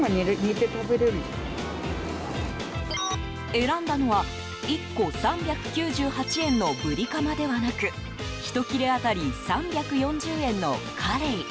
選んだのは、１個３９８円のブリカマではなく１切れ当たり３４０円のカレイ。